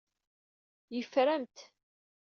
Yeffer-am-t.